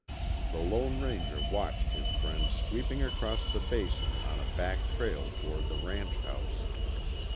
The Lone Ranger watched his friend sweeping across the Basin on a back trail toward the ranch house.